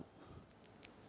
jadi satu nasionalisme baru